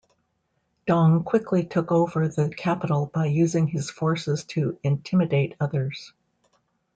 Dong quickly took over the capital by using his forces to intimidate others.